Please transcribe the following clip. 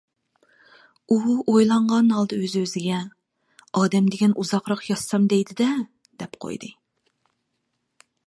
ئۇ ئويلانغان ھالدا ئۆز-ئۆزىگە: «ئادەم دېگەن ئۇزاقراق ياشىسام دەيدۇ-دە» دەپ قويدى.